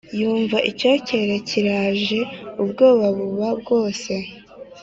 yumva icyokere kiraje ubwoba buba bwose